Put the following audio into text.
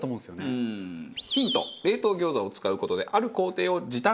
ヒント冷凍餃子を使う事である工程を時短しています。